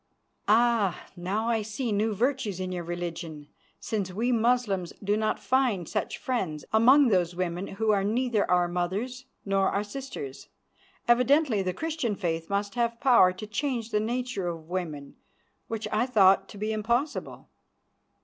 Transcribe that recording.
"Ah! Now I see new virtues in your religion, since we Moslems do not find such friends among those women who are neither our mothers nor our sisters. Evidently the Christian faith must have power to change the nature of women, which I thought to be impossible.